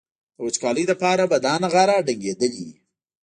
د وچکالۍ لپاره به دا نغاره ډنګېدلي وي.